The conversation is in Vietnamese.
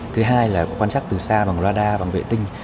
thứ hai là quan trắc từ xa bằng radar bằng vệ tinh